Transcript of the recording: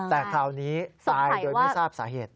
แต่คราวนี้ตายโดยไม่ทราบสาเหตุ